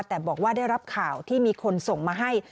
แต่บอกว่าได้รับข่าวที่มีคนส่งมาให้